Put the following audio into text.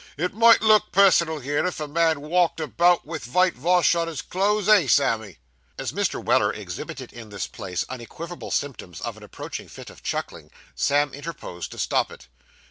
'It might look personal here, if a man walked about with vitevash on his clothes, eh, Sammy?' As Mr. Weller exhibited in this place unequivocal symptoms of an approaching fit of chuckling, Sam interposed to stop it.